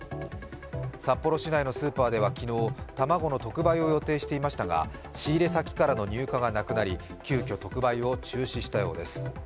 札幌市内のスーパーでは昨日、卵の特売を予定していましたが仕入れ先からの入荷がなくなり急遽特売を中止したようです。